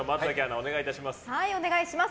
お願いします。